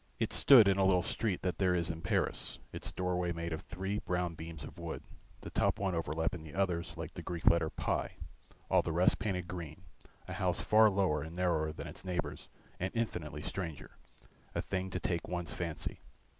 It stood in a little street that there is in Paris, its doorway made of three brown beams of wood, the top one overlapping the others like the Greek letter pi, all the rest painted green, a house far lower and narrower than its neighbours and infinitely stranger, a thing to take one's fancy.